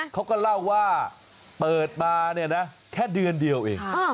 เขาก็เล่าว่าเปิดมาเนี่ยนะแค่เดือนเดียวเอง